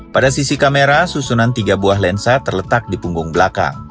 pada sisi kamera susunan tiga buah lensa terletak di punggung belakang